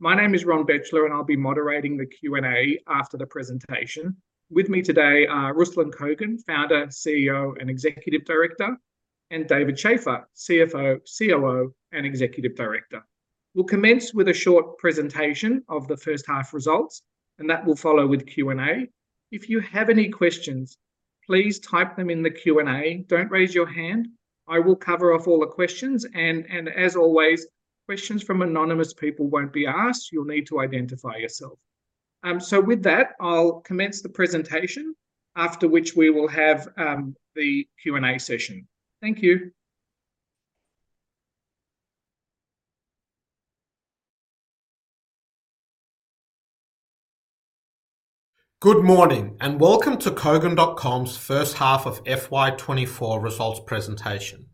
My name is Ron Bechler, and I'll be moderating the Q&A after the presentation. With me today are Ruslan Kogan, Founder, CEO, and Executive Director, and David Shafer, CFO, COO, and Executive Director. We'll commence with a short presentation of the first half results, and that will follow with Q&A. If you have any questions, please type them in the Q&A; don't raise your hand. I will cover off all the questions, and as always, questions from anonymous people won't be asked; you'll need to identify yourself. So with that, I'll commence the presentation, after which we will have the Q&A session. Thank you. Good morning and welcome to Kogan.com's first half of FY24 results presentation.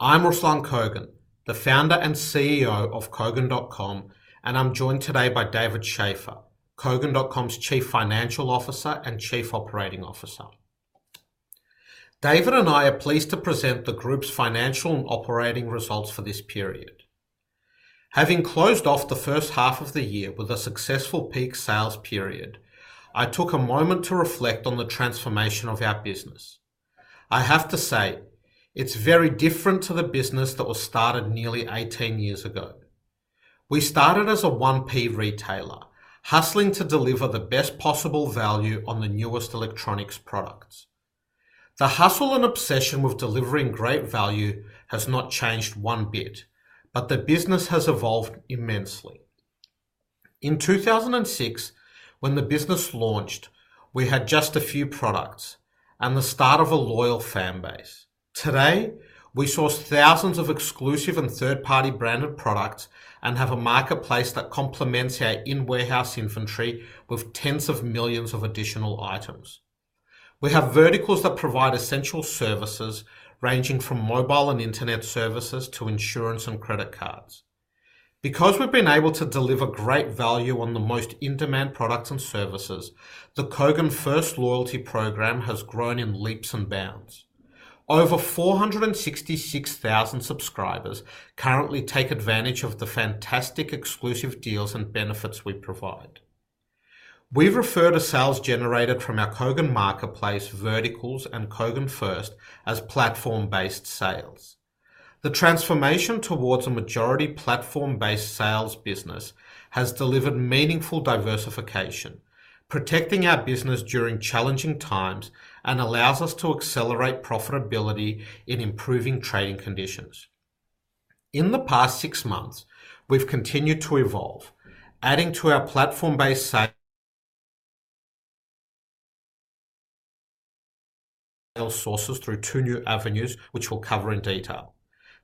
I'm Ruslan Kogan, the founder and CEO of Kogan.com, and I'm joined today by David Shafer, Kogan.com's Chief Financial Officer and Chief Operating Officer. David and I are pleased to present the group's financial and operating results for this period. Having closed off the first half of the year with a successful peak sales period, I took a moment to reflect on the transformation of our business. I have to say, it's very different to the business that was started nearly 18 years ago. We started as a 1P retailer, hustling to deliver the best possible value on the newest electronics products. The hustle and obsession with delivering great value has not changed one bit, but the business has evolved immensely. In 2006, when the business launched, we had just a few products and the start of a loyal fanbase. Today, we source thousands of exclusive and third-party branded products and have a marketplace that complements our in-warehouse inventory with tens of millions of additional items. We have verticals that provide essential services ranging from mobile and internet services to insurance and credit cards. Because we've been able to deliver great value on the most in-demand products and services, the Kogan First loyalty program has grown in leaps and bounds. Over 466,000 subscribers currently take advantage of the fantastic exclusive deals and benefits we provide. We've referred a sales generator from our Kogan Marketplace, Verticals and Kogan First, as platform-based sales. The transformation towards a majority platform-based sales business has delivered meaningful diversification, protecting our business during challenging times and allows us to accelerate profitability in improving trading conditions. In the past six months, we've continued to evolve, adding to our platform-based sales sources through two new avenues, which we'll cover in detail.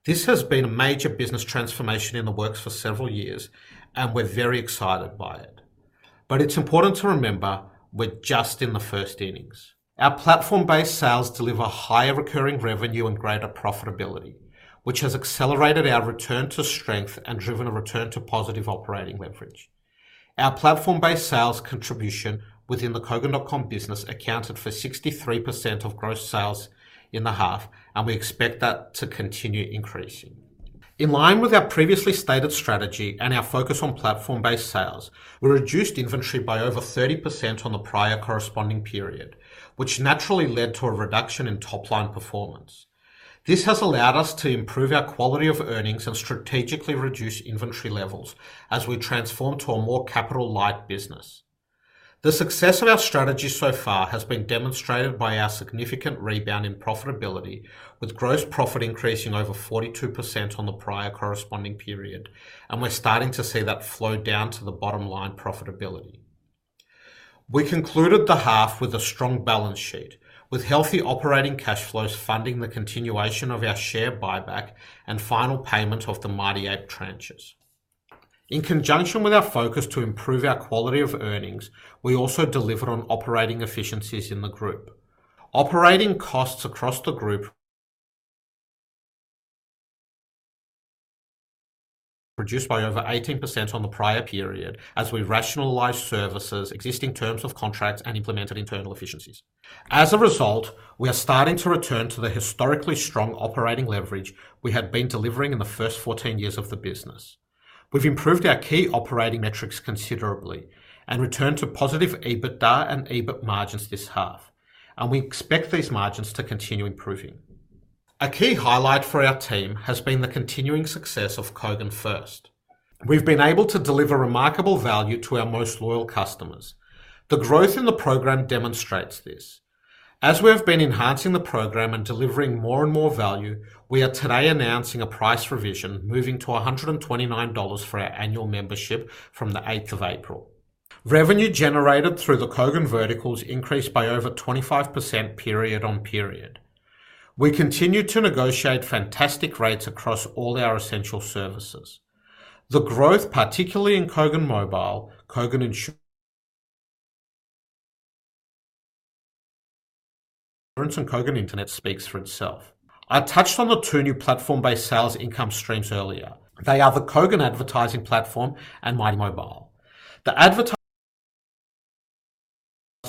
This has been a major business transformation in the works for several years, and we're very excited by it. But it's important to remember, we're just in the first innings. Our platform-based sales deliver higher recurring revenue and greater profitability, which has accelerated our return to strength and driven a return to positive operating leverage. Our platform-based sales contribution within the Kogan.com business accounted for 63% of gross sales in the half, and we expect that to continue increasing. In line with our previously stated strategy and our focus on platform-based sales, we reduced inventory by over 30% on the prior corresponding period, which naturally led to a reduction in top-line performance. This has allowed us to improve our quality of earnings and strategically reduce inventory levels as we transform to a more capital-light business. The success of our strategy so far has been demonstrated by our significant rebound in profitability, with gross profit increasing over 42% on the prior corresponding period, and we're starting to see that flow down to the bottom-line profitability. We concluded the half with a strong balance sheet, with healthy operating cash flows funding the continuation of our share buyback and final payment of the Mighty Ape tranches. In conjunction with our focus to improve our quality of earnings, we also delivered on operating efficiencies in the group. Operating costs across the group reduced by over 18% on the prior period as we rationalized services, existing terms of contracts, and implemented internal efficiencies. As a result, we are starting to return to the historically strong operating leverage we had been delivering in the first 14 years of the business. We've improved our key operating metrics considerably and returned to positive EBITDA and EBIT margins this half, and we expect these margins to continue improving. A key highlight for our team has been the continuing success of Kogan First. We've been able to deliver remarkable value to our most loyal customers. The growth in the program demonstrates this. As we have been enhancing the program and delivering more and more value, we are today announcing a price revision, moving to 129 dollars for our annual membership from the April 8th. Revenue generated through the Kogan Verticals increased by over a 25% period-on-period. We continue to negotiate fantastic rates across all our essential services. The growth, particularly in Kogan Mobile, Kogan Insurance, and Kogan Internet speaks for itself. I touched on the two new platform-based sales income streams earlier. They are the Kogan Advertising Platform and Mighty Mobile. The advertising platform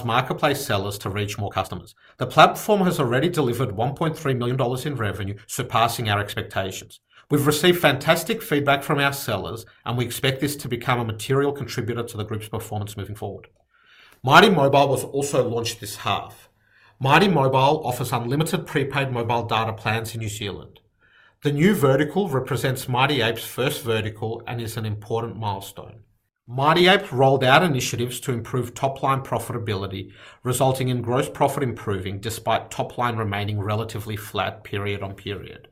allows marketplace sellers to reach more customers. The platform has already delivered 1.3 million dollars in revenue, surpassing our expectations. We've received fantastic feedback from our sellers, and we expect this to become a material contributor to the group's performance moving forward. Mighty Mobile was also launched this half. Mighty Mobile offers unlimited prepaid mobile data plans in New Zealand. The new vertical represents Mighty Ape's first vertical and is an important milestone. Mighty Ape rolled out initiatives to improve top-line profitability, resulting in gross profit improving despite top-line remaining relatively flat period-on-period.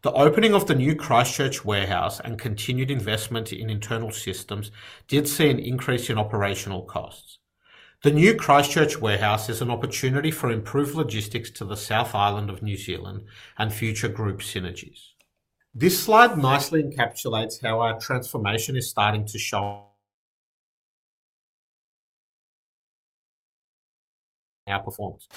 The opening of the new Christchurch warehouse and continued investment in internal systems did see an increase in operational costs. The new Christchurch warehouse is an opportunity for improved logistics to the South Island of New Zealand and future group synergies. This slide nicely encapsulates how our transformation is starting to show in our performance.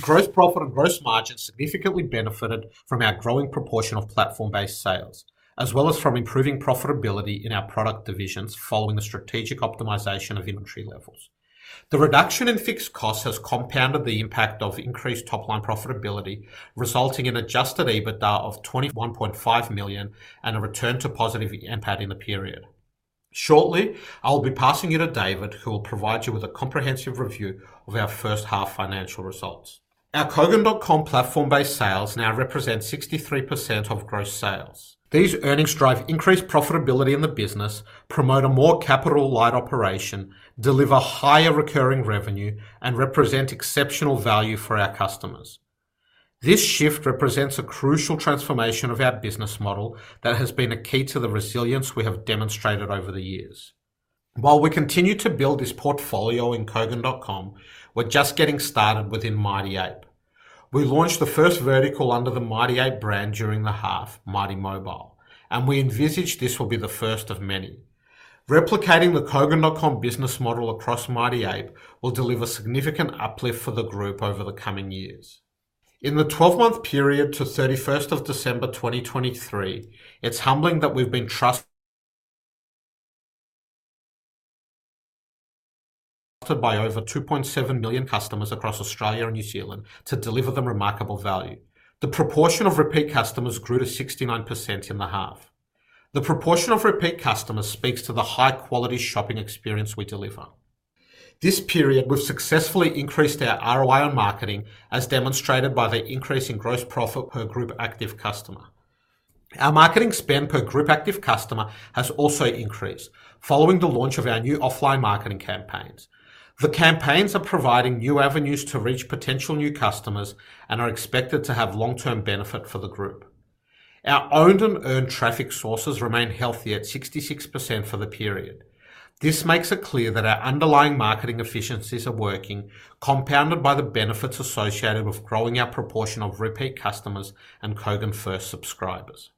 Gross profit and gross margins significantly benefited from our growing proportion of platform-based sales, as well as from improving profitability in our product divisions following the strategic optimization of inventory levels. The reduction in fixed costs has compounded the impact of increased top-line profitability, resulting in an adjusted EBITDA of 1.5 million and a return to positive impact in the period. Shortly, I'll be passing you to David, who will provide you with a comprehensive review of our first half financial results. Our Kogan.com platform-based sales now represent 63% of gross sales. These earnings drive increased profitability in the business, promote a more capital-light operation, deliver higher recurring revenue, and represent exceptional value for our customers. This shift represents a crucial transformation of our business model that has been a key to the resilience we have demonstrated over the years. While we continue to build this portfolio in Kogan.com, we're just getting started within Mighty Ape. We launched the first vertical under the Mighty Ape brand during the half, Mighty Mobile, and we envisage this will be the first of many. Replicating the Kogan.com business model across Mighty Ape will deliver significant uplift for the group over the coming years. In the 12-month period to December 31st 2023, it's humbling that we've been trusted by over 2.7 million customers across Australia and New Zealand to deliver them remarkable value. The proportion of repeat customers grew to 69% in the half. The proportion of repeat customers speaks to the high-quality shopping experience we deliver. This period, we've successfully increased our ROI on marketing, as demonstrated by the increase in gross profit per group active customer. Our marketing spend per group active customer has also increased following the launch of our new offline marketing campaigns. The campaigns are providing new avenues to reach potential new customers and are expected to have long-term benefit for the group. Our owned and earned traffic sources remain healthy at 66% for the period. This makes it clear that our underlying marketing efficiencies are working, compounded by the benefits associated with growing our proportion of repeat customers and Kogan First subscribers.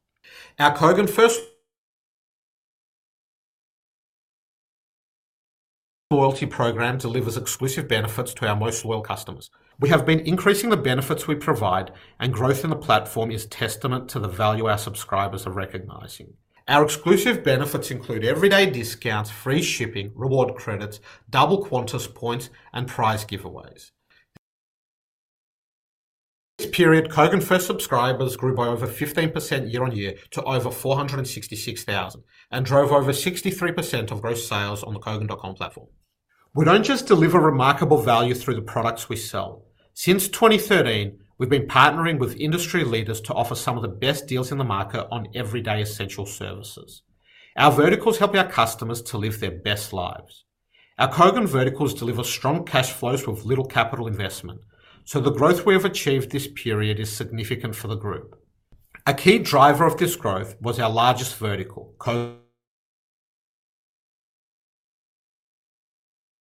Our Kogan First loyalty program delivers exclusive benefits to our most loyal customers. We have been increasing the benefits we provide, and growth in the platform is testament to the value our subscribers are recognizing. Our exclusive benefits include everyday discounts, free shipping, reward credits, double Qantas Points, and prize giveaways. This period, Kogan First subscribers grew by over 15% year-on-year to over 466,000 and drove over 63% of gross sales on the Kogan.com platform. We don't just deliver remarkable value through the products we sell. Since 2013, we've been partnering with industry leaders to offer some of the best deals in the market on everyday essential services. Our verticals help our customers to live their best lives. Our Kogan Verticals deliver strong cash flows with little capital investment, so the growth we have achieved this period is significant for the group. A key driver of this growth was our largest vertical, Kogan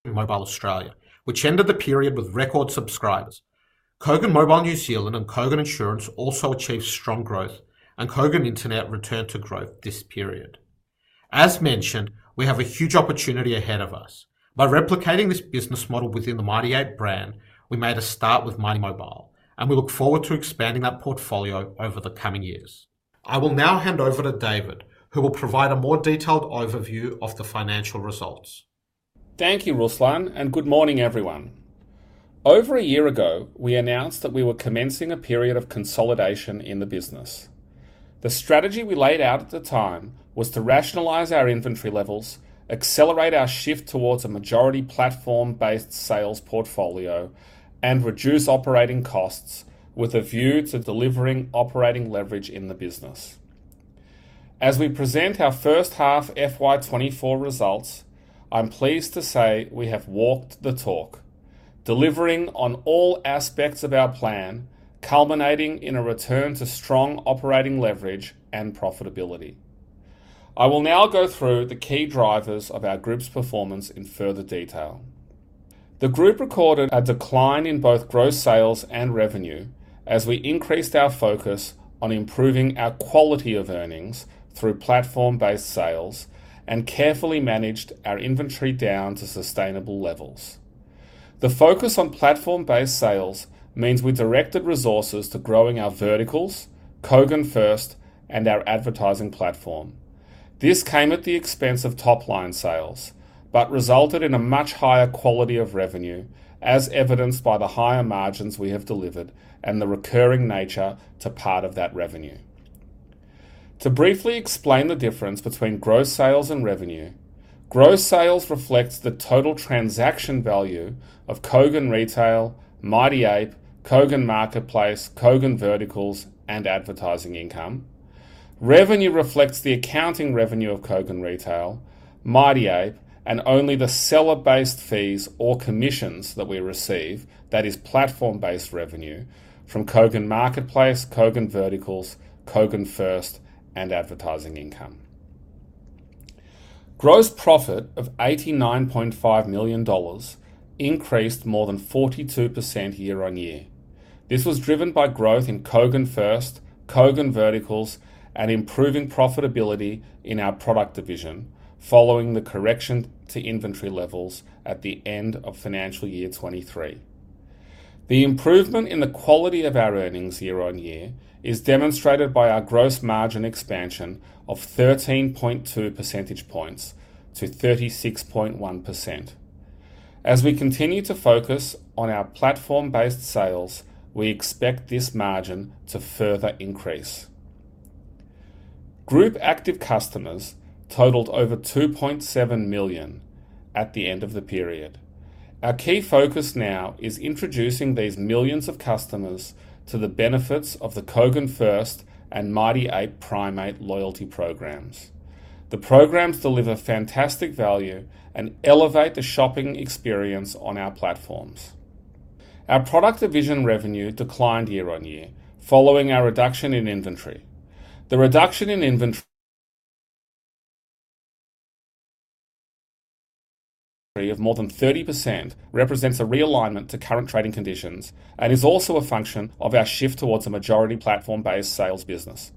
Mobile Australia, which ended the period with record subscribers. Kogan Mobile New Zealand and Kogan Insurance also achieved strong growth, and Kogan Internet returned to growth this period. As mentioned, we have a huge opportunity ahead of us. By replicating this business model within the Mighty Ape brand, we made a start with Mighty Mobile, and we look forward to expanding that portfolio over the coming years. I will now hand over to David, who will provide a more detailed overview of the financial results. Thank you, Ruslan, and good morning, everyone. Over a year ago, we announced that we were commencing a period of consolidation in the business. The strategy we laid out at the time was to rationalize our inventory levels, accelerate our shift towards a majority platform-based sales portfolio, and reduce operating costs with a view to delivering operating leverage in the business. As we present our first half FY24 results, I'm pleased to say we have walked the talk, delivering on all aspects of our plan, culminating in a return to strong operating leverage and profitability. I will now go through the key drivers of our group's performance in further detail. The group recorded a decline in both gross sales and revenue as we increased our focus on improving our quality of earnings through platform-based sales and carefully managed our inventory down to sustainable levels. The focus on platform-based sales means we directed resources to growing our verticals, Kogan First, and our advertising platform. This came at the expense of top-line sales, but resulted in a much higher quality of revenue, as evidenced by the higher margins we have delivered and the recurring nature to part of that revenue. To briefly explain the difference between gross sales and revenue: gross sales reflects the total transaction value of Kogan Retail, Mighty Ape, Kogan Marketplace, Kogan Verticals, and advertising income. Revenue reflects the accounting revenue of Kogan Retail, Mighty Ape, and only the seller-based fees or commissions that we receive, that is, platform-based revenue, from Kogan Marketplace, Kogan Verticals, Kogan First, and advertising income. Gross profit of 89.5 million dollars increased more than 42% year-over-year. This was driven by growth in Kogan First, Kogan Verticals, and improving profitability in our product division following the correction to inventory levels at the end of financial year 2023. The improvement in the quality of our earnings year-on-year is demonstrated by our gross margin expansion of 13.2 percentage points to 36.1%. As we continue to focus on our platform-based sales, we expect this margin to further increase. Group active customers totaled over 2.7 million at the end of the period. Our key focus now is introducing these millions of customers to the benefits of the Kogan First and Mighty Ape Primate loyalty programs. The programs deliver fantastic value and elevate the shopping experience on our platforms. Our product division revenue declined year-on-year following our reduction in inventory. The reduction in inventory of more than 30% represents a realignment to current trading conditions and is also a function of our shift towards a majority platform-based sales business.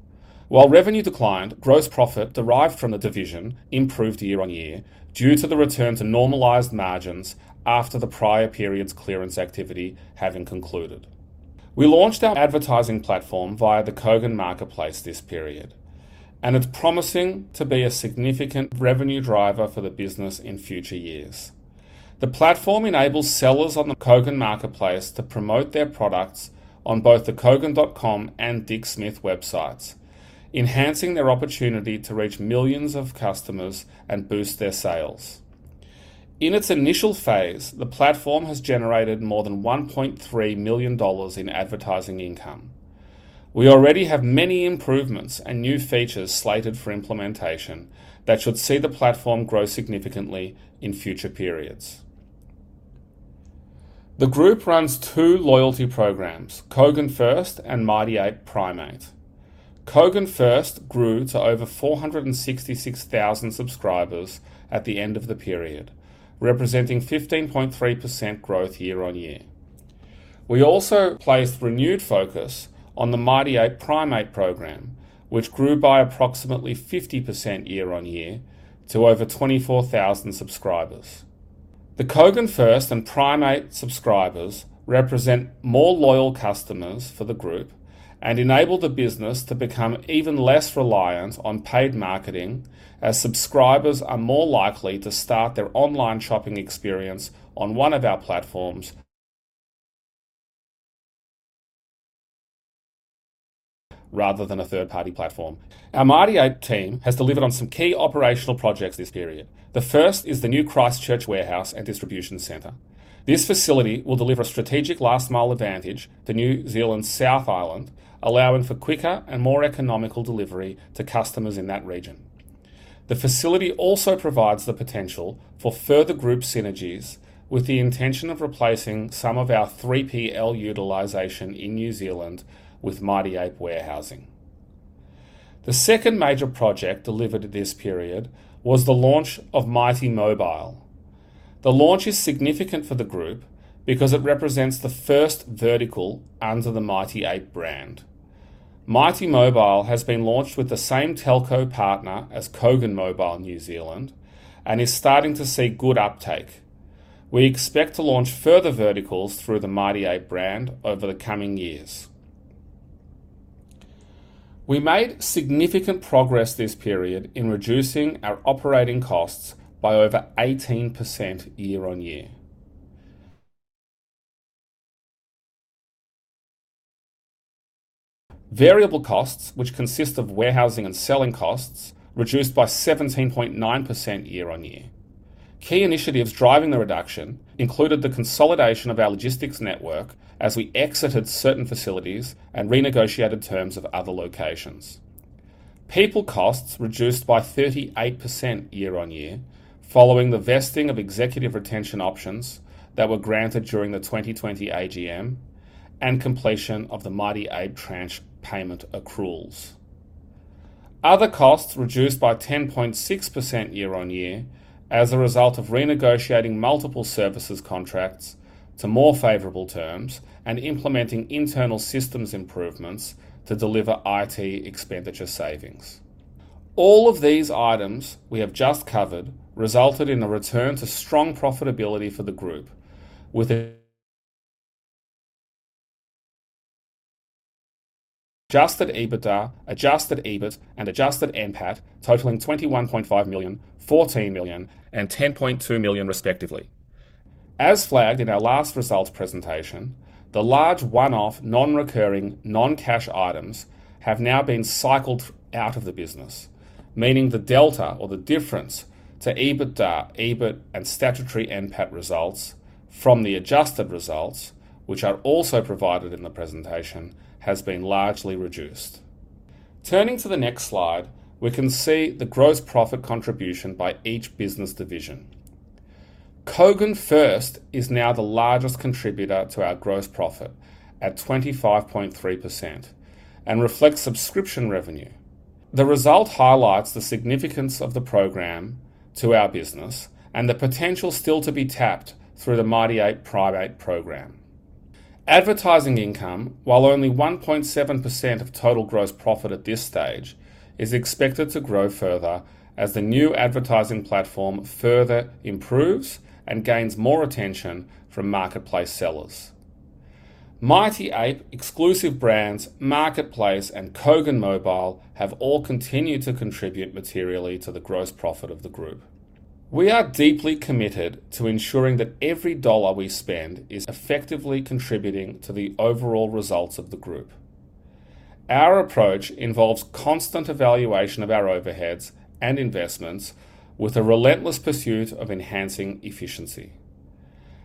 While revenue declined, gross profit derived from the division improved year-on-year due to the return to normalized margins after the prior period's clearance activity having concluded. We launched our advertising platform via the Kogan Marketplace this period, and it's promising to be a significant revenue driver for the business in future years. The platform enables sellers on the Kogan Marketplace to promote their products on both the Kogan.com and Dick Smith websites, enhancing their opportunity to reach millions of customers and boost their sales. In its initial phase, the platform has generated more than 1.3 million dollars in advertising income. We already have many improvements and new features slated for implementation that should see the platform grow significantly in future periods. The group runs two loyalty programs, Kogan First and Mighty Ape Primate. Kogan First grew to over 466,000 subscribers at the end of the period, representing 15.3% growth year-on-year. We also placed renewed focus on the Mighty Ape Primate program, which grew by approximately 50% year-on-year to over 24,000 subscribers. The Kogan First and Primate subscribers represent more loyal customers for the group and enable the business to become even less reliant on paid marketing, as subscribers are more likely to start their online shopping experience on one of our platforms rather than a third-party platform. Our Mighty Ape team has delivered on some key operational projects this period. The first is the new Christchurch warehouse and distribution center. This facility will deliver a strategic last-mile advantage to New Zealand's South Island, allowing for quicker and more economical delivery to customers in that region. The facility also provides the potential for further group synergies with the intention of replacing some of our 3PL utilization in New Zealand with Mighty Ape warehousing. The second major project delivered this period was the launch of Mighty Mobile. The launch is significant for the group because it represents the first vertical under the Mighty Ape brand. Mighty Mobile has been launched with the same telco partner as Kogan Mobile New Zealand and is starting to see good uptake. We expect to launch further verticals through the Mighty Ape brand over the coming years. We made significant progress this period in reducing our operating costs by over 18% year-on-year. Variable costs, which consist of warehousing and selling costs, reduced by 17.9% year-on-year. Key initiatives driving the reduction included the consolidation of our logistics network as we exited certain facilities and renegotiated terms of other locations. People costs reduced by 38% year-on-year following the vesting of executive retention options that were granted during the 2020 AGM and completion of the Mighty Ape tranche payment accruals. Other costs reduced by 10.6% year-on-year as a result of renegotiating multiple services contracts to more favorable terms and implementing internal systems improvements to deliver IT expenditure savings. All of these items we have just covered resulted in a return to strong profitability for the group, with adjusted EBITDA, adjusted EBIT, and adjusted NPAT totaling 21.5 million, 14 million, and 10.2 million, respectively. As flagged in our last results presentation, the large one-off non-recurring, non-cash items have now been cycled out of the business, meaning the delta, or the difference, to EBITDA, EBIT, and statutory NPAT results from the adjusted results, which are also provided in the presentation, has been largely reduced. Turning to the next slide, we can see the gross profit contribution by each business division. Kogan First is now the largest contributor to our gross profit at 25.3% and reflects subscription revenue. The result highlights the significance of the program to our business and the potential still to be tapped through the Mighty Ape Primate program. Advertising income, while only 1.7% of total gross profit at this stage, is expected to grow further as the new advertising platform further improves and gains more attention from marketplace sellers. Mighty Ape, exclusive brands, Marketplace, and Kogan Mobile have all continued to contribute materially to the gross profit of the group. We are deeply committed to ensuring that every dollar we spend is effectively contributing to the overall results of the group. Our approach involves constant evaluation of our overheads and investments, with a relentless pursuit of enhancing efficiency.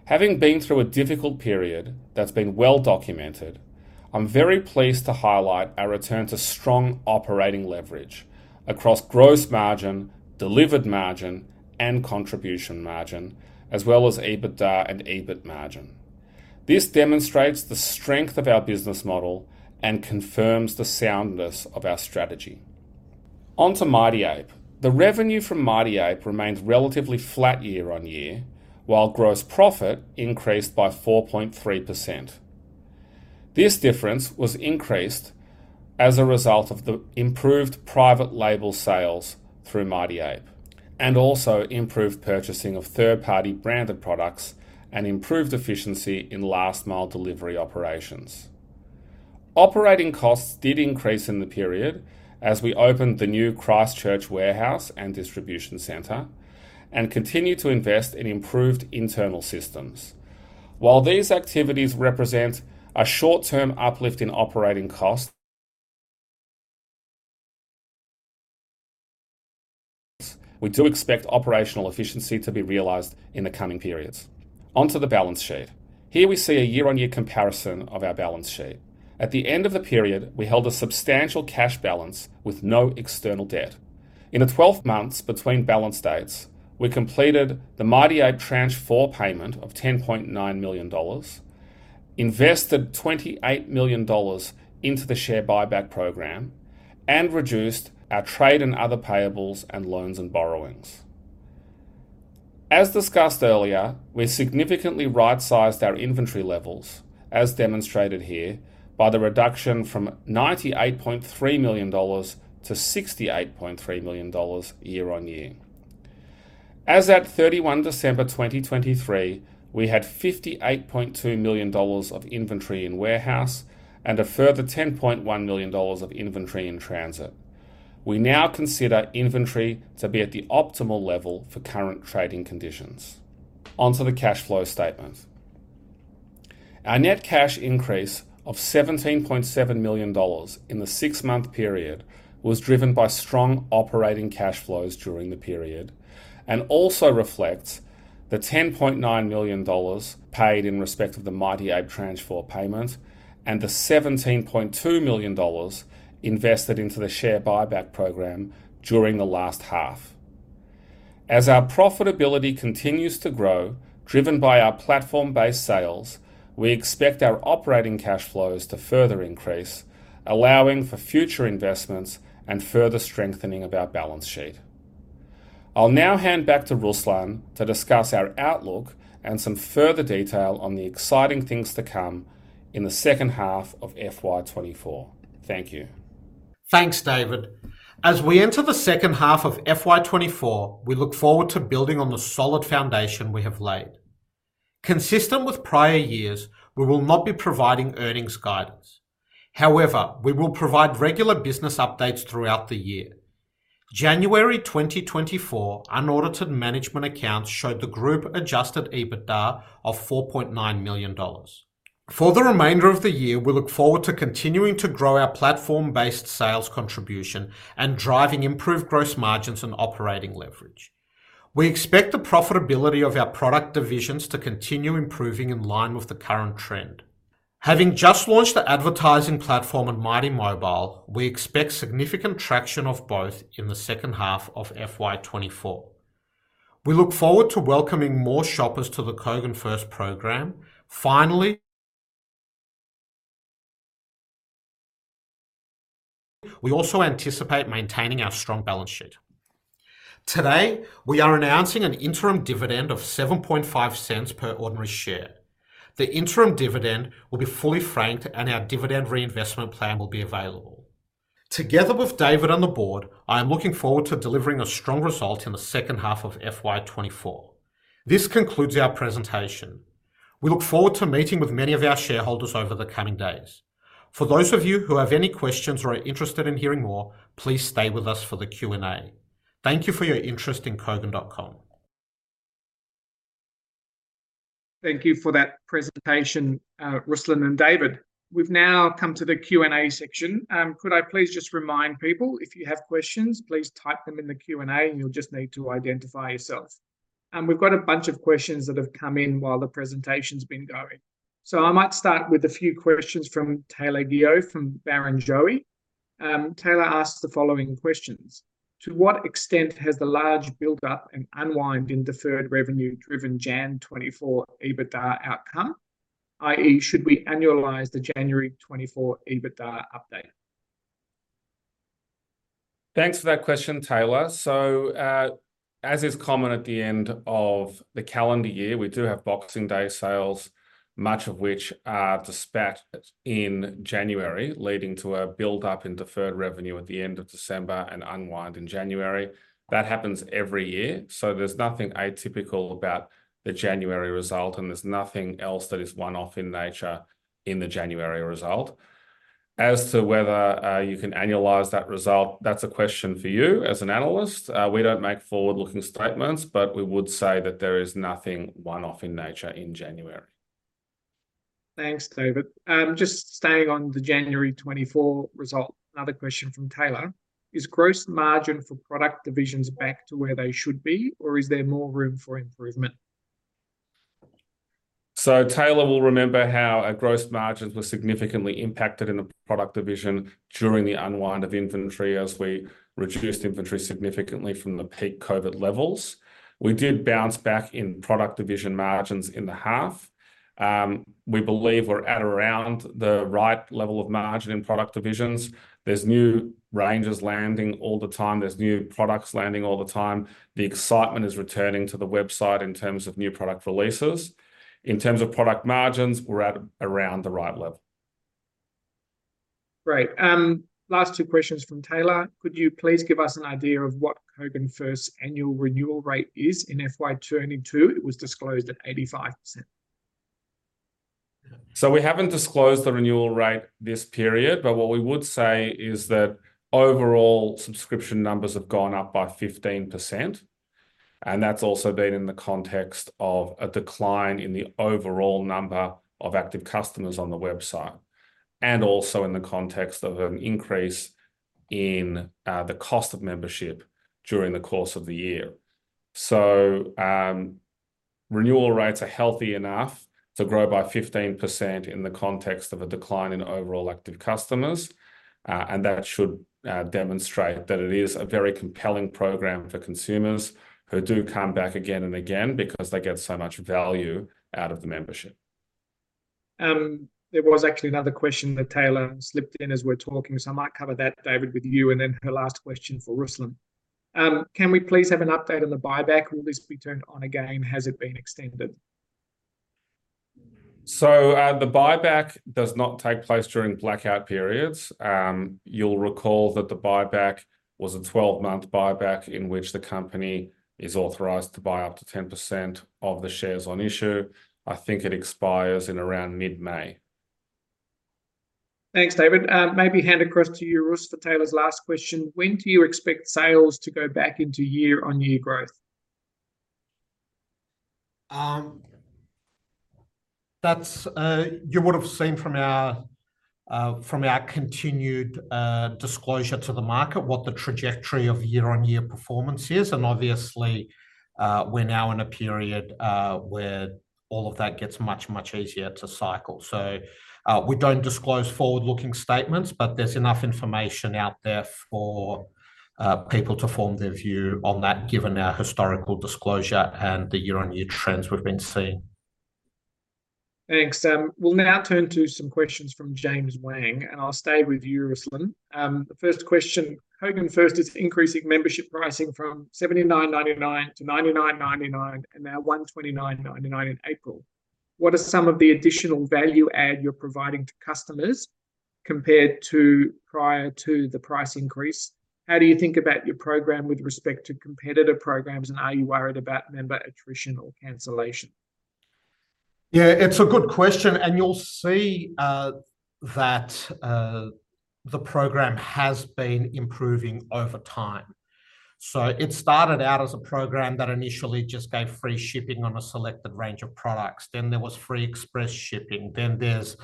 Having been through a difficult period that's been well documented, I'm very pleased to highlight our return to strong operating leverage across gross margin, delivered margin, and contribution margin, as well as EBITDA and EBIT margin. This demonstrates the strength of our business model and confirms the soundness of our strategy. Onto Mighty Ape. The revenue from Mighty Ape remained relatively flat year-on-year, while gross profit increased by 4.3%. This difference was increased as a result of the improved private label sales through Mighty Ape, and also improved purchasing of third-party branded products and improved efficiency in last-mile delivery operations. Operating costs did increase in the period as we opened the new Christchurch warehouse and distribution center and continued to invest in improved internal systems. While these activities represent a short-term uplift in operating costs, we do expect operational efficiency to be realized in the coming periods. Onto the balance sheet. Here we see a year-on-year comparison of our balance sheet. At the end of the period, we held a substantial cash balance with no external debt. In the 12 months between balance dates, we completed the Mighty Ape tranche four payment of AUD 10.9 million, invested AUD 28 million into the share buyback program, and reduced our trade and other payables and loans and borrowings. As discussed earlier, we significantly right-sized our inventory levels, as demonstrated here, by the reduction from 98.3 million dollars to 68.3 million dollars year-on-year. As at December 31 2023, we had AUD 58.2 million of inventory in warehouse and a further AUD 10.1 million of inventory in transit. We now consider inventory to be at the optimal level for current trading conditions. Onto the cash flow statement. Our net cash increase of 17.7 million dollars in the six-month period was driven by strong operating cash flows during the period and also reflects the 10.9 million dollars paid in respect of the Mighty Ape tranche four payment and the 17.2 million dollars invested into the share buyback program during the last half. As our profitability continues to grow, driven by our platform-based sales, we expect our operating cash flows to further increase, allowing for future investments and further strengthening of our balance sheet. I'll now hand back to Ruslan to discuss our outlook and some further detail on the exciting things to come in the second half of FY24. Thank you. Thanks, David. As we enter the second half of FY24, we look forward to building on the solid foundation we have laid. Consistent with prior years, we will not be providing earnings guidance. However, we will provide regular business updates throughout the year. January 2024 unaudited management accounts showed the group adjusted EBITDA of 4.9 million dollars. For the remainder of the year, we look forward to continuing to grow our platform-based sales contribution and driving improved gross margins and operating leverage. We expect the profitability of our product divisions to continue improving in line with the current trend. Having just launched the advertising platform and Mighty Mobile, we expect significant traction of both in the second half of FY24. We look forward to welcoming more shoppers to the Kogan First program. Finally, we also anticipate maintaining our strong balance sheet. Today, we are announcing an interim dividend of 0.075 per ordinary share. The interim dividend will be fully franked, and our dividend reinvestment plan will be available. Together with David on the board, I am looking forward to delivering a strong result in the second half of FY24. This concludes our presentation. We look forward to meeting with many of our shareholders over the coming days. For those of you who have any questions or are interested in hearing more, please stay with us for the Q&A. Thank you for your interest in Kogan.com. Thank you for that presentation, Ruslan and David. We've now come to the Q&A section. Could I please just remind people, if you have questions, please type them in the Q&A, and you'll just need to identify yourself. We've got a bunch of questions that have come in while the presentation's been going. So I might start with a few questions from Taylor Guyot from Barrenjoey. Taylor asks the following questions: To what extent has the large buildup and unwind in deferred revenue-driven January 2024 EBITDA outcome, i.e., should we annualize the January 2024 EBITDA update? Thanks for that question, Taylor. So as is common at the end of the calendar year, we do have Boxing Day sales, much of which are dispatched in January, leading to a buildup in deferred revenue at the end of December and unwind in January. That happens every year, so there's nothing atypical about the January result, and there's nothing else that is one-off in nature in the January result. As to whether you can annualize that result, that's a question for you as an analyst. We don't make forward-looking statements, but we would say that there is nothing one-off in nature in January. Thanks, David. Just staying on the January 2024 result, another question from Taylor: Is gross margin for product divisions back to where they should be, or is there more room for improvement? So Taylor will remember how our gross margins were significantly impacted in the product division during the unwind of inventory as we reduced inventory significantly from the peak COVID levels. We did bounce back in product division margins in the half. We believe we're at around the right level of margin in product divisions. There's new ranges landing all the time. There's new products landing all the time. The excitement is returning to the website in terms of new product releases. In terms of product margins, we're at around the right level. Great. Last two questions from Taylor. Could you please give us an idea of what Kogan First's annual renewal rate is in FY22? It was disclosed at 85%. So we haven't disclosed the renewal rate this period, but what we would say is that overall subscription numbers have gone up by 15%, and that's also been in the context of a decline in the overall number of active customers on the website and also in the context of an increase in the cost of membership during the course of the year. So renewal rates are healthy enough to grow by 15% in the context of a decline in overall active customers, and that should demonstrate that it is a very compelling program for consumers who do come back again and again because they get so much value out of the membership. There was actually another question that Taylor slipped in as we're talking, so I might cover that, David, with you. And then her last question for Ruslan: Can we please have an update on the buyback? Will this be turned on again? Has it been extended? So the buyback does not take place during blackout periods. You'll recall that the buyback was a 12-month buyback in which the company is authorized to buy up to 10% of the shares on issue. I think it expires in around mid-May. Thanks, David. Maybe hand across to you, Ruslan, for Taylor's last question: When do you expect sales to go back into year-on-year growth? You would have seen from our continued disclosure to the market what the trajectory of year-on-year performance is. And obviously, we're now in a period where all of that gets much, much easier to cycle. So we don't disclose forward-looking statements, but there's enough information out there for people to form their view on that, given our historical disclosure and the year-on-year trends we've been seeing. Thanks. We'll now turn to some questions from James Wang, and I'll stay with you, Ruslan. The first question: Kogan First is increasing membership pricing from 79.99-99.99 and now 129.99 in April. What is some of the additional value add you're providing to customers compared to prior to the price increase? How do you think about your program with respect to competitor programs, and are you worried about member attrition or cancellation? Yeah, it's a good question. And you'll see that the program has been improving over time. So it started out as a program that initially just gave free shipping on a selected range of products. Then there was free express shipping. Then there's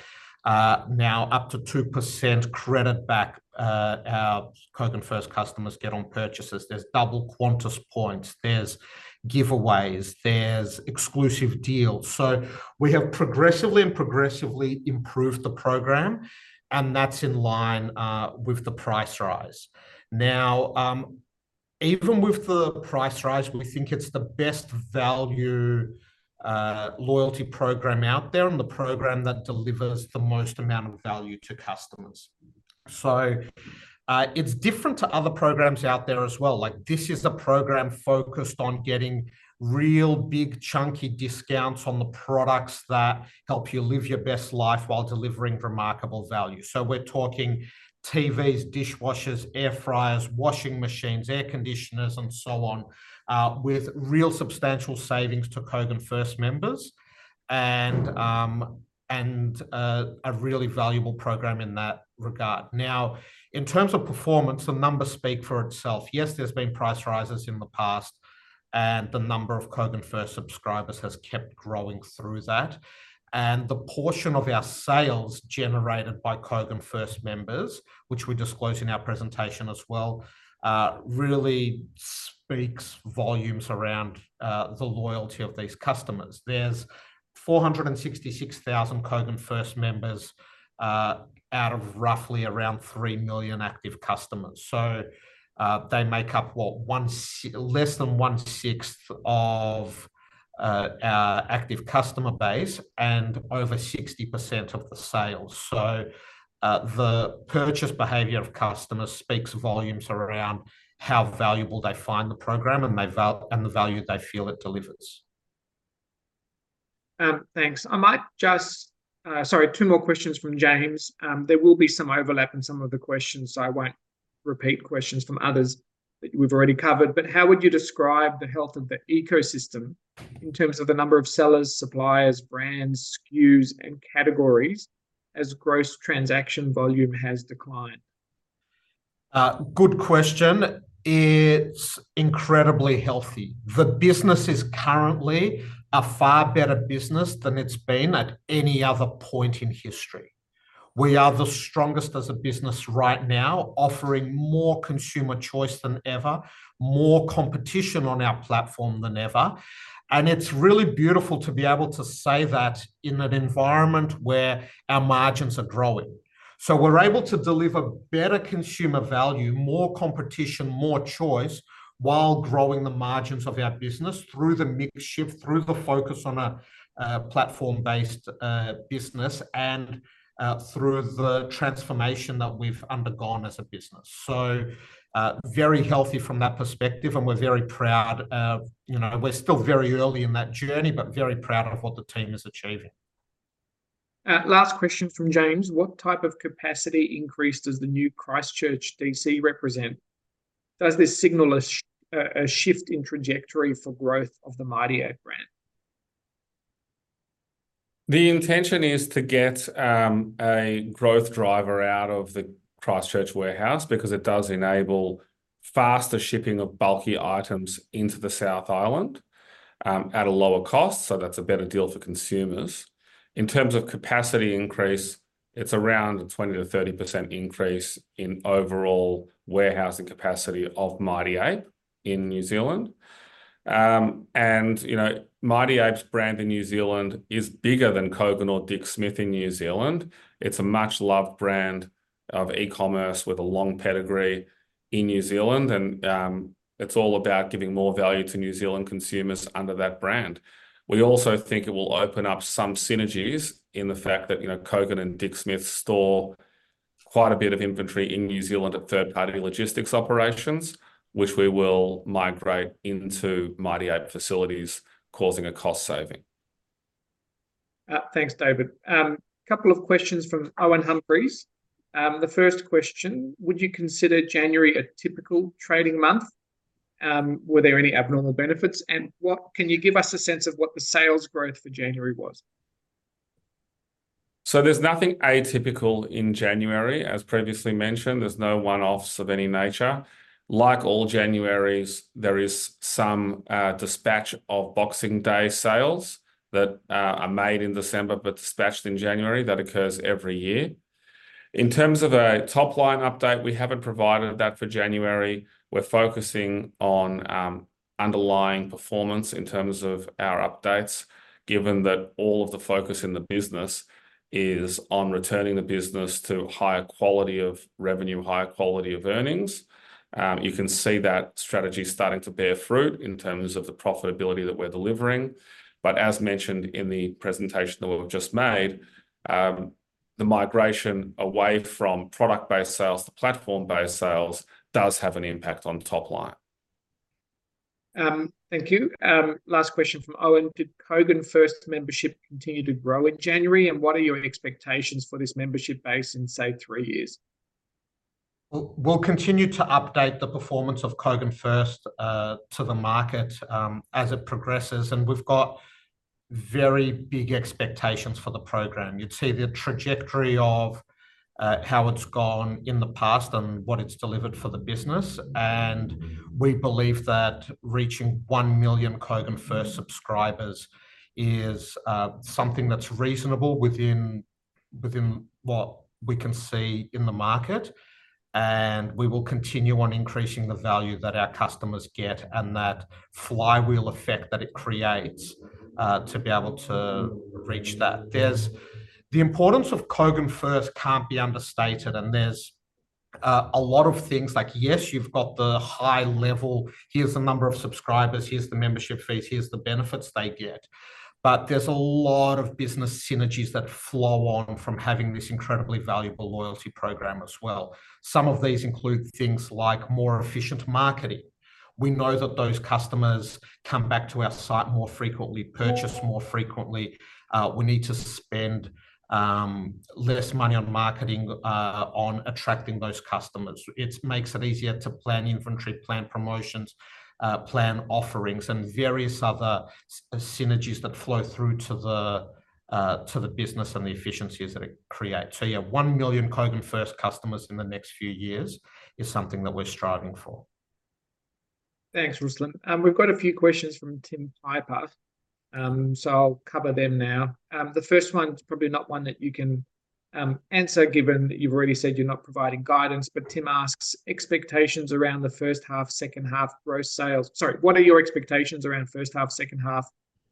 now up to 2% credit back our Kogan First customers get on purchases. There's double Qantas points. There's giveaways. There's exclusive deals. So we have progressively and progressively improved the program, and that's in line with the price rise. Now, even with the price rise, we think it's the best value loyalty program out there and the program that delivers the most amount of value to customers. So it's different to other programs out there as well. This is a program focused on getting real big, chunky discounts on the products that help you live your best life while delivering remarkable value. So we're talking TVs, dishwashers, air fryers, washing machines, air conditioners, and so on, with real substantial savings to Kogan First members and a really valuable program in that regard. Now, in terms of performance, the numbers speak for itself. Yes, there's been price rises in the past, and the number of Kogan First subscribers has kept growing through that. The portion of our sales generated by Kogan First members, which we disclose in our presentation as well, really speaks volumes around the loyalty of these customers. There's 466,000 Kogan First members out of roughly around 3 million active customers. So they make up, what, less than 1/6 of our active customer base and over 60% of the sales. So the purchase behaviour of customers speaks volumes around how valuable they find the program and the value they feel it delivers. Thanks. I might just, sorry, two more questions from James. There will be some overlap in some of the questions, so I won't repeat questions from others that we've already covered. But how would you describe the health of the ecosystem in terms of the number of sellers, suppliers, brands, SKUs, and categories as gross transaction volume has declined? Good question. It's incredibly healthy. The business is currently a far better business than it's been at any other point in history. We are the strongest as a business right now, offering more consumer choice than ever, more competition on our platform than ever. And it's really beautiful to be able to say that in an environment where our margins are growing. So we're able to deliver better consumer value, more competition, more choice while growing the margins of our business through the mixed shift, through the focus on a platform-based business, and through the transformation that we've undergone as a business. So very healthy from that perspective, and we're very proud. We're still very early in that journey, but very proud of what the team is achieving. Last question from James: What type of capacity increase does the new Christchurch DC represent? Does this signal a shift in trajectory for growth of the Mighty Ape? The intention is to get a growth driver out of the Christchurch warehouse because it does enable faster shipping of bulky items into the South Island at a lower cost. So that's a better deal for consumers. In terms of capacity increase, it's around a 20%-30% increase in overall warehousing capacity of Mighty Ape in New Zealand. Mighty Ape's brand in New Zealand is bigger than Kogan or Dick Smith in New Zealand. It's a much-loved brand of e-commerce with a long pedigree in New Zealand, and it's all about giving more value to New Zealand consumers under that brand. We also think it will open up some synergies in the fact that Kogan and Dick Smith store quite a bit of inventory in New Zealand at third-party logistics operations, which we will migrate into Mighty Ape facilities, causing a cost saving. Thanks, David. Couple of questions from Owen Humphries. The first question: Would you consider January a typical trading month? Were there any abnormal benefits? And can you give us a sense of what the sales growth for January was? So there's nothing atypical in January, as previously mentioned. There's no one-offs of any nature. Like all Januaries, there is some dispatch of Boxing Day sales that are made in December but dispatched in January that occurs every year. In terms of a top-line update, we haven't provided that for January. We're focusing on underlying performance in terms of our updates, given that all of the focus in the business is on returning the business to higher quality of revenue, higher quality of earnings. You can see that strategy starting to bear fruit in terms of the profitability that we're delivering. But as mentioned in the presentation that we've just made, the migration away from product-based sales to platform-based sales does have an impact on top-line. Thank you. Last question from Owen: Did Kogan First membership continue to grow in January, and what are your expectations for this membership base in, say, three years? We'll continue to update the performance of Kogan First to the market as it progresses. We've got very big expectations for the program. You'd see the trajectory of how it's gone in the past and what it's delivered for the business. We believe that reaching 1 million Kogan First subscribers is something that's reasonable within what we can see in the market. We will continue on increasing the value that our customers get and that flywheel effect that it creates to be able to reach that. The importance of Kogan First can't be understated. There's a lot of things like, yes, you've got the high level: here's the number of subscribers, here's the membership fees, here's the benefits they get. But there's a lot of business synergies that flow on from having this incredibly valuable loyalty program as well. Some of these include things like more efficient marketing. We know that those customers come back to our site more frequently, purchase more frequently. We need to spend less money on marketing on attracting those customers. It makes it easier to plan inventory, plan promotions, plan offerings, and various other synergies that flow through to the business and the efficiencies that it creates. So yeah, 1 million Kogan First customers in the next few years is something that we're striving for. Thanks, Ruslan. We've got a few questions from Tim Piper. So I'll cover them now. The first one's probably not one that you can answer, given that you've already said you're not providing guidance. But Tim asks: Expectations around the first half, second half gross sales, sorry, what are your expectations around first half, second half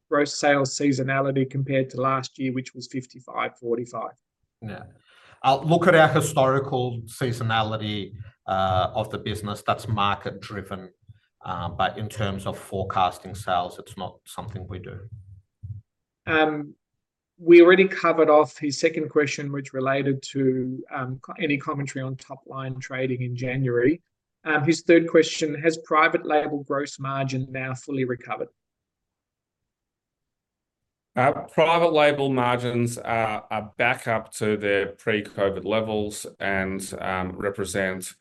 gross sales seasonality compared to last year, which was 55-45? Yeah. Look at our historical seasonality of the business. That's market-driven. But in terms of forecasting sales, it's not something we do. We already covered off his second question, which related to any commentary on top-line trading in January. His third question: Has private label gross margin now fully recovered? Private label margins are back up to their pre-COVID levels and represent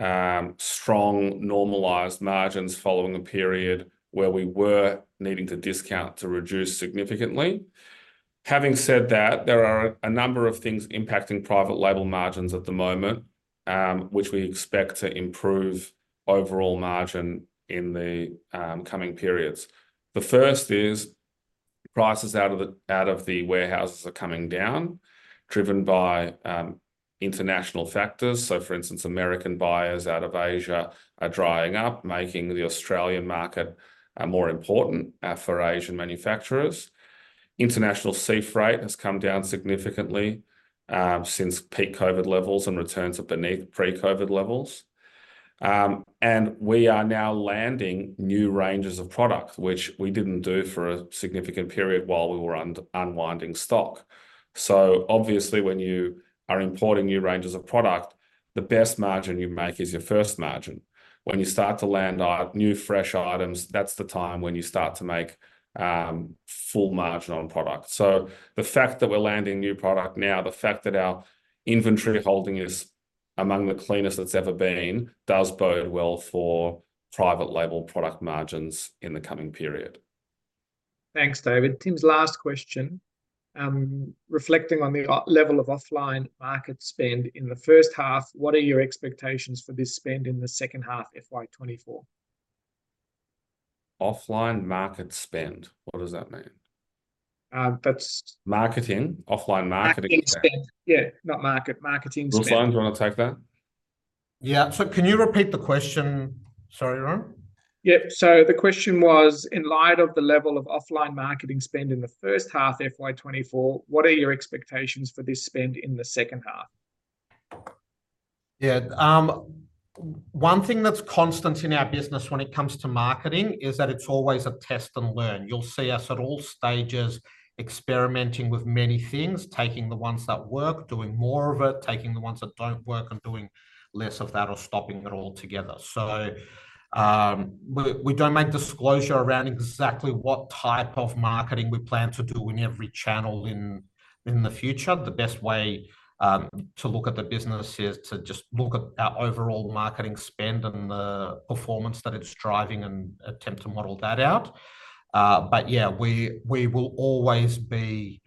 strong, normalized margins following a period where we were needing to discount to reduce significantly. Having said that, there are a number of things impacting private label margins at the moment, which we expect to improve overall margin in the coming periods. The first is prices out of the warehouses are coming down, driven by international factors. So, for instance, American buyers out of Asia are drying up, making the Australian market more important for Asian manufacturers. International sea freight has come down significantly since peak COVID levels and returns are beneath pre-COVID levels. And we are now landing new ranges of product, which we didn't do for a significant period while we were unwinding stock. So obviously, when you are importing new ranges of product, the best margin you make is your first margin. When you start to land new fresh items, that's the time when you start to make full margin on product. So the fact that we're landing new product now, the fact that our inventory holding is among the cleanest it's ever been, does bode well for private label product margins in the coming period. Thanks, David. Tim's last question: Reflecting on the level of offline marketing spend in the first half, what are your expectations for this spend in the second half, FY24? Offline marketing spend. What does that mean? That's Marketing. Offline marketing spend. Marketing spend. Yeah. Not market. Marketing spend. Ruslan, do you want to take that? Yeah. So can you repeat the question? Sorry, Ron. Yeah. So the question was: In light of the level of offline marketing spend in the first half, FY24, what are your expectations for this spend in the second half? Yeah. One thing that's constant in our business when it comes to marketing is that it's always a test and learn. You'll see us at all stages experimenting with many things, taking the ones that work, doing more of it, taking the ones that don't work, and doing less of that or stopping it altogether. So we don't make disclosure around exactly what type of marketing we plan to do in every channel in the future. The best way to look at the business is to just look at our overall marketing spend and the performance that it's driving and attempt to model that out. But yeah, we will always be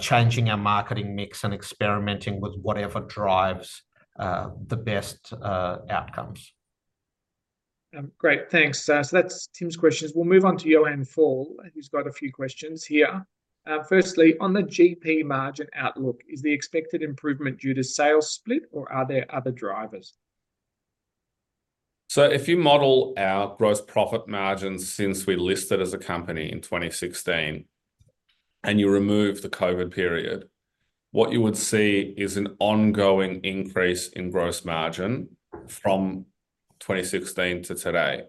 changing our marketing mix and experimenting with whatever drives the best outcomes. Great. Thanks. So that's Tim's questions. We'll move on to Johannes Faul. He's got a few questions here. Firstly, on the GP margin outlook, is the expected improvement due to sales split, or are there other drivers? So if you model our gross profit margins since we listed as a company in 2016 and you remove the COVID period, what you would see is an ongoing increase in gross margin from 2016 to today.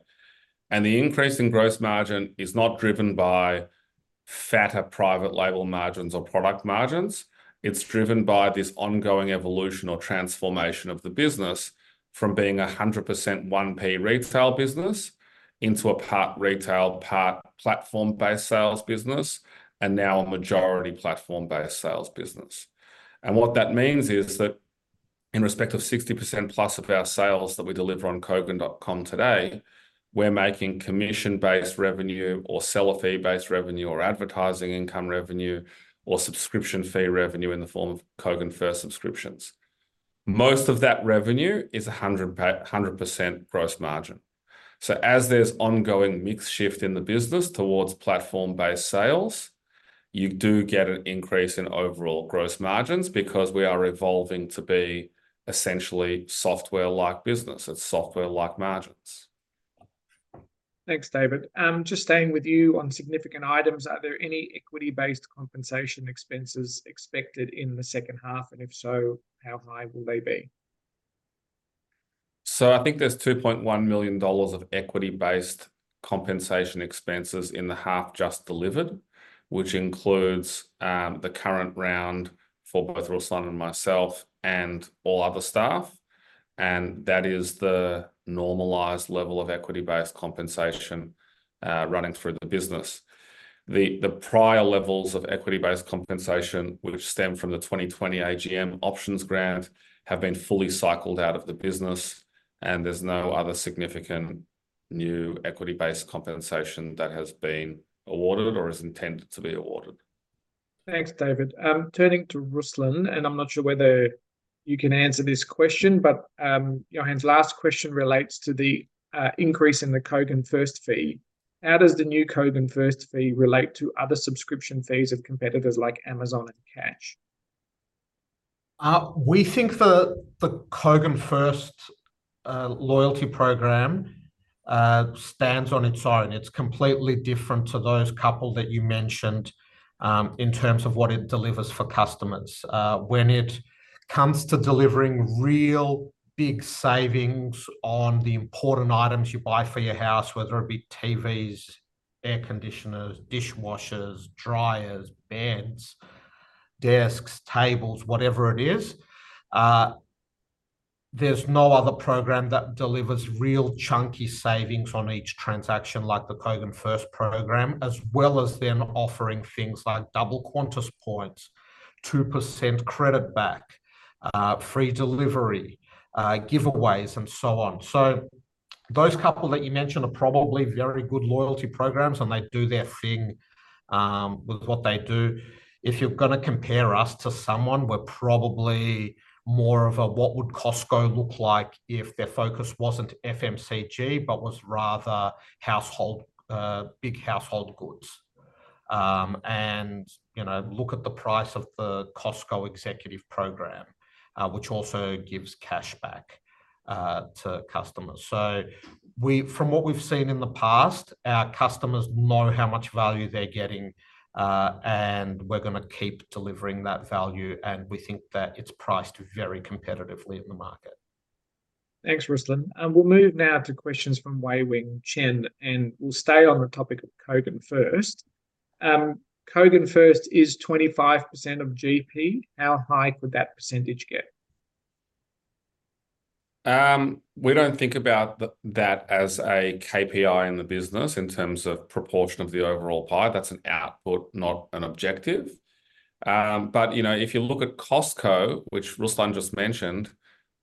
And the increase in gross margin is not driven by fatter private label margins or product margins. It's driven by this ongoing evolution or transformation of the business from being a 100% 1P retail business into a part retail, part platform-based sales business, and now a majority platform-based sales business. And what that means is that in respect of 60%+ of our sales that we deliver on Kogan.com today, we're making commission-based revenue or seller fee-based revenue or advertising income revenue or subscription fee revenue in the form of Kogan First subscriptions. Most of that revenue is 100% gross margin. So as there's ongoing mix shift in the business towards platform-based sales, you do get an increase in overall gross margins because we are evolving to be essentially software-like business. It's software-like margins. Thanks, David. Just staying with you on significant items, are there any equity-based compensation expenses expected in the second half? And if so, how high will they be? So I think there's 2.1 million dollars of equity-based compensation expenses in the half just delivered, which includes the current round for both Ruslan and myself and all other staff. And that is the normalized level of equity-based compensation running through the business. The prior levels of equity-based compensation, which stem from the 2020 AGM options grant, have been fully cycled out of the business. And there's no other significant new equity-based compensation that has been awarded or is intended to be awarded. Thanks, David. Turning to Ruslan, and I'm not sure whether you can answer this question, but Johannes's last question relates to the increase in the Kogan First fee. How does the new Kogan First fee relate to other subscription fees of competitors like Amazon and Catch? We think the Kogan First loyalty program stands on its own. It's completely different to those couple that you mentioned in terms of what it delivers for customers. When it comes to delivering real big savings on the important items you buy for your house, whether it be TVs, air conditioners, dishwashers, dryers, beds, desks, tables, whatever it is, there's no other program that delivers real chunky savings on each transaction like the Kogan First program, as well as then offering things like double Qantas points, 2% credit back, free delivery, giveaways, and so on. So those couple that you mentioned are probably very good loyalty programs, and they do their thing with what they do. If you're going to compare us to someone, we're probably more of a what would Costco look like if their focus wasn't FMCG but was rather big household goods. And look at the price of the Costco executive program, which also gives cashback to customers. So from what we've seen in the past, our customers know how much value they're getting, and we're going to keep delivering that value. And we think that it's priced very competitively in the market. Thanks, Ruslan. We'll move now to questions from Wei-Weng Chen, and we'll stay on the topic of Kogan First. Kogan First is 25% of GP. How high could that percentage get? We don't think about that as a KPI in the business in terms of proportion of the overall pie. That's an output, not an objective. But if you look at Costco, which Ruslan just mentioned,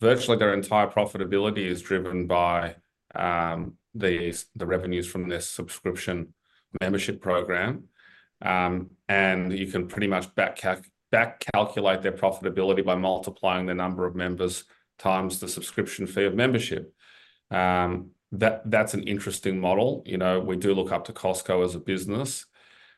virtually their entire profitability is driven by the revenues from their subscription membership program. And you can pretty much backcalculate their profitability by multiplying the number of members times the subscription fee of membership. That's an interesting model. We do look up to Costco as a business.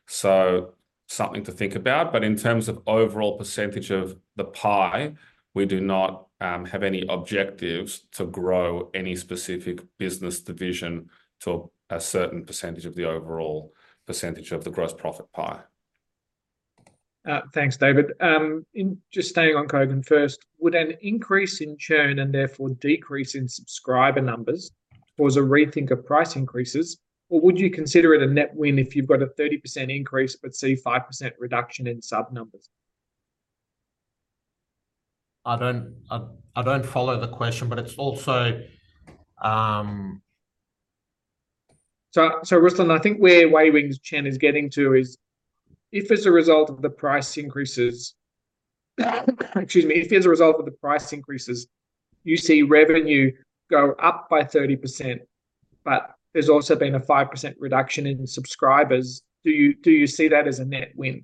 So something to think about. But in terms of overall percentage of the pie, we do not have any objectives to grow any specific business division to a certain percentage of the overall percentage of the gross profit pie. Thanks, David. Just staying on Kogan First, would an increase in churn and therefore decrease in subscriber numbers cause a rethink of price increases, or would you consider it a net win if you've got a 30% increase but see 5% reduction in subnumbers? I don't follow the question, but it's also so Ruslan, I think where Wei-Weng Chen is getting to is if as a result of the price increases—excuse me. If as a result of the price increases, you see revenue go up by 30% but there's also been a 5% reduction in subscribers, do you see that as a net win?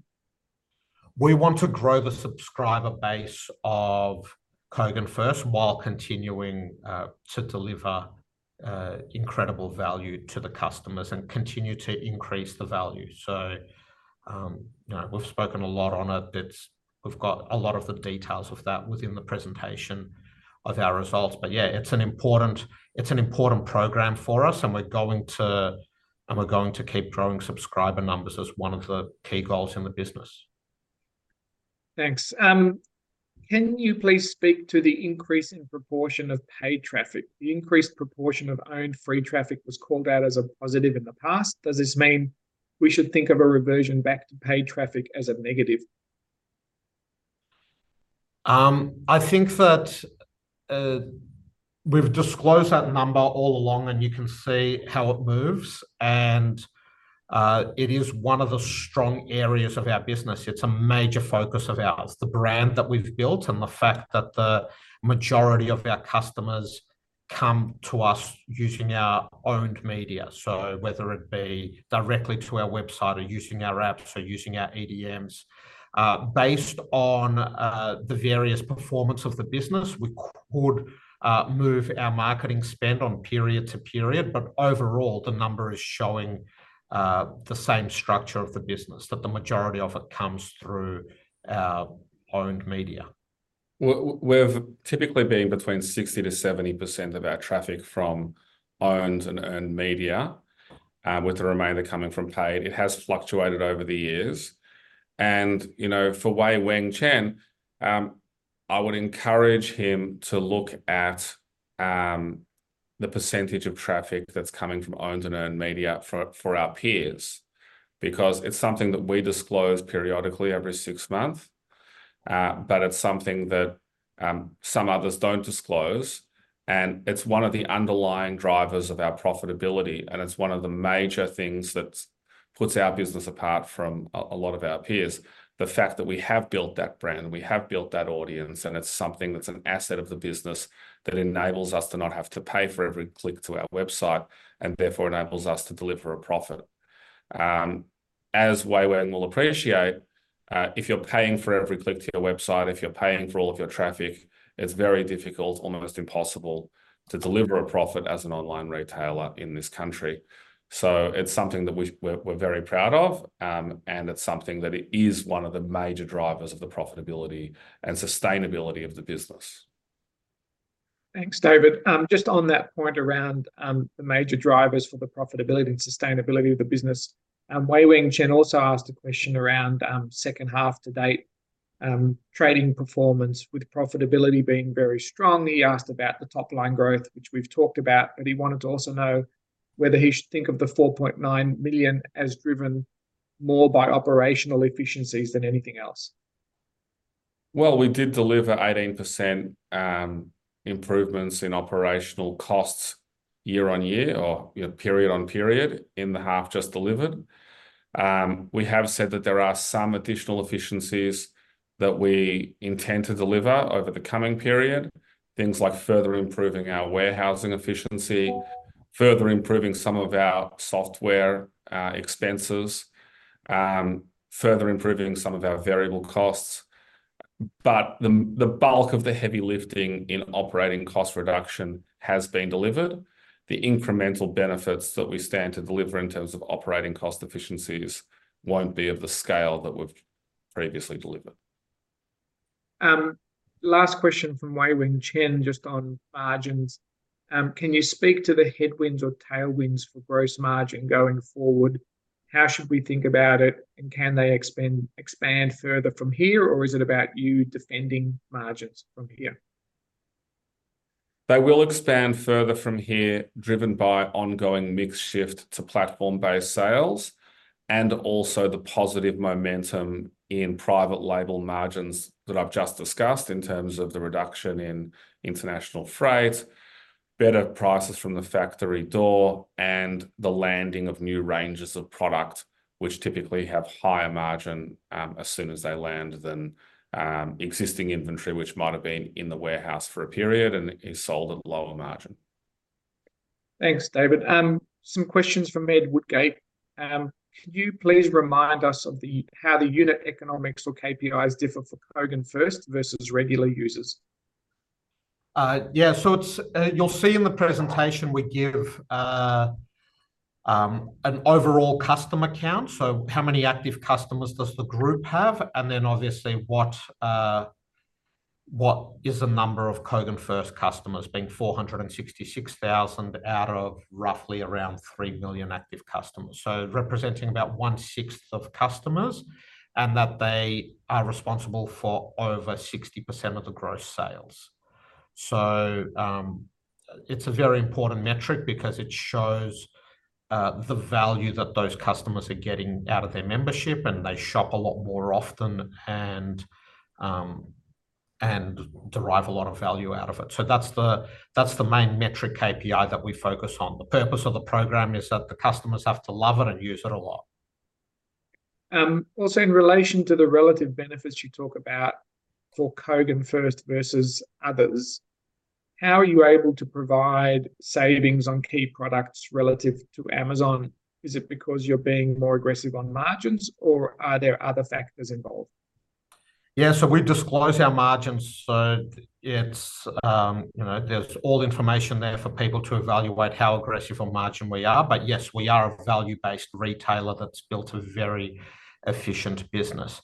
We want to grow the subscriber base of Kogan First while continuing to deliver incredible value to the customers and continue to increase the value. So we've spoken a lot on it. We've got a lot of the details of that within the presentation of our results. But yeah, it's an important program for us, and we're going to and we're going to keep growing subscriber numbers as one of the key goals in the business. Thanks. Can you please speak to the increase in proportion of paid traffic? The increased proportion of owned free traffic was called out as a positive in the past. Does this mean we should think of a reversion back to paid traffic as a negative? I think that we've disclosed that number all along, and you can see how it moves. It is one of the strong areas of our business. It's a major focus of ours, the brand that we've built and the fact that the majority of our customers come to us using our owned media, so whether it be directly to our website or using our apps or using our EDMs. Based on the various performance of the business, we could move our marketing spend on period to period. Overall, the number is showing the same structure of the business, that the majority of it comes through our owned media. We've typically been between 60%-70% of our traffic from owned and earned media, with the remainder coming from paid. It has fluctuated over the years. And for Wei-Weng Chen, I would encourage him to look at the percentage of traffic that's coming from owned and earned media for our peers because it's something that we disclose periodically every six months, but it's something that some others don't disclose. And it's one of the underlying drivers of our profitability, and it's one of the major things that puts our business apart from a lot of our peers, the fact that we have built that brand, we have built that audience, and it's something that's an asset of the business that enables us to not have to pay for every click to our website and therefore enables us to deliver a profit. As Wei-Weng will appreciate, if you're paying for every click to your website, if you're paying for all of your traffic, it's very difficult, almost impossible, to deliver a profit as an online retailer in this country. So it's something that we're very proud of, and it's something that is one of the major drivers of the profitability and sustainability of the business. Thanks, David. Just on that point around the major drivers for the profitability and sustainability of the business, Wei-Weng Chen also asked a question around second half to date trading performance. With profitability being very strong, he asked about the top-line growth, which we've talked about, but he wanted to also know whether he should think of the 4.9 million as driven more by operational efficiencies than anything else. Well, we did deliver 18% improvements in operational costs year on year or period on period in the half just delivered. We have said that there are some additional efficiencies that we intend to deliver over the coming period, things like further improving our warehousing efficiency, further improving some of our software expenses, further improving some of our variable costs. But the bulk of the heavy lifting in operating cost reduction has been delivered. The incremental benefits that we stand to deliver in terms of operating cost efficiencies won't be of the scale that we've previously delivered. Last question from Wei-Weng Chen, just on margins. Can you speak to the headwinds or tailwinds for gross margin going forward? How should we think about it, and can they expand further from here, or is it about you defending margins from here? They will expand further from here driven by ongoing mix shift to platform-based sales and also the positive momentum in private label margins that I've just discussed in terms of the reduction in international freight, better prices from the factory door, and the landing of new ranges of product which typically have higher margin as soon as they land than existing inventory which might have been in the warehouse for a period and is sold at lower margin. Thanks, David. Some questions from Ed Woodgate. Can you please remind us of how the unit economics or KPIs differ for Kogan First versus regular users? Yeah. So you'll see in the presentation we give an overall customer count. So how many active customers does the group have? And then obviously, what is the number of Kogan First customers being 466,000 out of roughly around 3 million active customers, so representing about 1/6 of customers, and that they are responsible for over 60% of the gross sales. So it's a very important metric because it shows the value that those customers are getting out of their membership, and they shop a lot more often and derive a lot of value out of it. So that's the main metric KPI that we focus on. The purpose of the program is that the customers have to love it and use it a lot. Also, in relation to the relative benefits you talk about for Kogan First versus others, how are you able to provide savings on key products relative to Amazon? Is it because you're being more aggressive on margins, or are there other factors involved? Yeah. So we disclose our margins. There's all information there for people to evaluate how aggressive on margin we are. But yes, we are a value-based retailer that's built a very efficient business.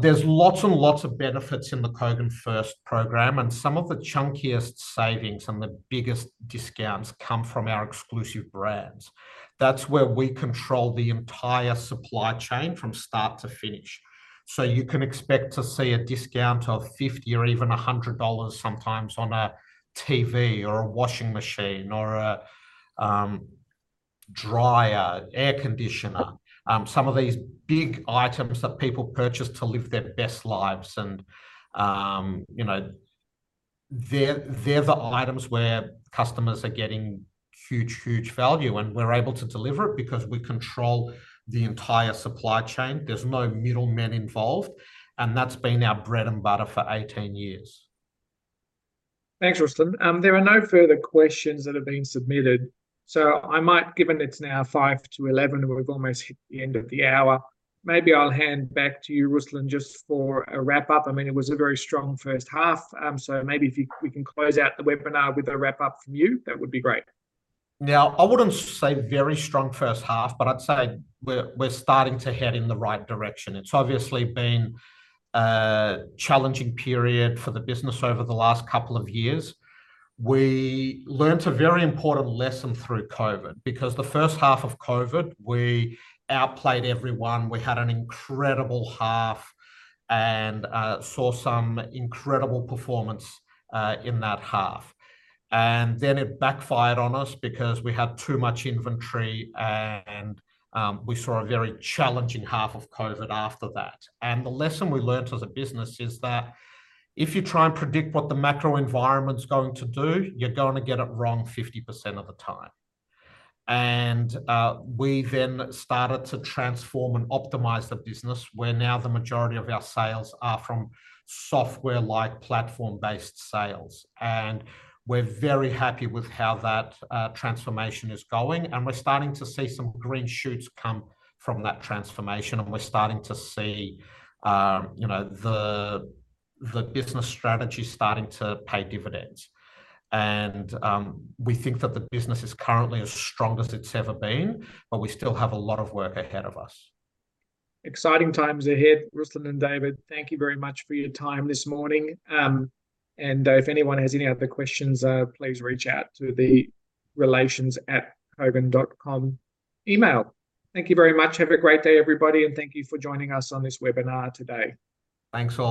There's lots and lots of benefits in the Kogan First program, and some of the chunkiest savings and the biggest discounts come from our exclusive brands. That's where we control the entire supply chain from start to finish. You can expect to see a discount of 50 or even 100 dollars sometimes on a TV or a washing machine or a dryer, air conditioner, some of these big items that people purchase to live their best lives. And they're the items where customers are getting huge, huge value. And we're able to deliver it because we control the entire supply chain. There's no middlemen involved. And that's been our bread and butter for 18 years. Thanks, Ruslan. There are no further questions that have been submitted. So, I might, given it's now 10:55 A.M., and we've almost hit the end of the hour, maybe I'll hand back to you, Ruslan, just for a wrap-up. I mean, it was a very strong first half. So maybe if we can close out the webinar with a wrap-up from you, that would be great. Now, I wouldn't say very strong first half, but I'd say we're starting to head in the right direction. It's obviously been a challenging period for the business over the last couple of years. We learned a very important lesson through COVID because the first half of COVID, we outplayed everyone. We had an incredible half and saw some incredible performance in that half. Then it backfired on us because we had too much inventory, and we saw a very challenging half of COVID after that. The lesson we learned as a business is that if you try and predict what the macro environment's going to do, you're going to get it wrong 50% of the time. We then started to transform and optimize the business where now the majority of our sales are from software-like platform-based sales. We're very happy with how that transformation is going. We're starting to see some green shoots come from that transformation, and we're starting to see the business strategy starting to pay dividends. We think that the business is currently as strong as it's ever been, but we still have a lot of work ahead of us. Exciting times ahead, Ruslan and David. Thank you very much for your time this morning. If anyone has any other questions, please reach out to the relations@kogan.com email. Thank you very much. Have a great day, everybody. Thank you for joining us on this webinar today. Thanks all.